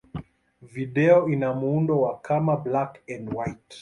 Video ina muundo wa kama black-and-white.